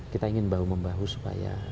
kita ingin bahu membahu supaya